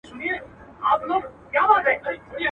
ما خو زولني په وینو سرې پکښي لیدلي دي.